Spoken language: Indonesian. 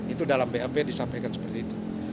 itu dalam bap disampaikan seperti itu